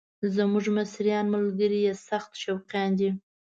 زموږ مصریان ملګري یې سخت شوقیان دي.